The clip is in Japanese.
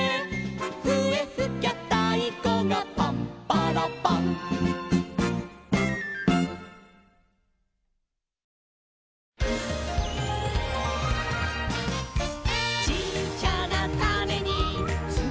「ふえふきゃたいこがパンパラパン」「ちっちゃなタネにつまってるんだ」